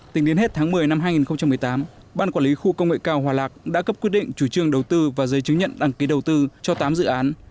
tính đến hết tháng một mươi năm hai nghìn một mươi tám ban quản lý khu công nghệ cao hòa lạc đã cấp quyết định chủ trương đầu tư và giấy chứng nhận đăng ký đầu tư cho tám dự án